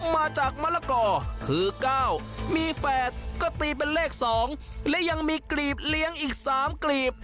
มาจากมะละกอคือ๙มีแฝดก็ตีเป็นเลข๒และยังมีกลีบเลี้ยงอีก๓กลีบ